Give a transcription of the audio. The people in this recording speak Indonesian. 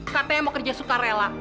katanya mau kerja sukarela